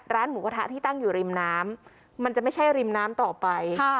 หมูกระทะที่ตั้งอยู่ริมน้ำมันจะไม่ใช่ริมน้ำต่อไป